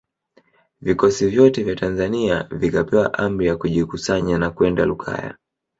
Vikosi vyote vya Tanzania vikapewa amri ya kujikusanya na kwenda Lukaya